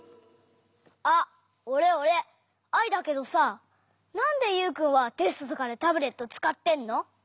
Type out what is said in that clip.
あっおれおれアイだけどさなんでユウくんはテストとかでタブレットつかってんの？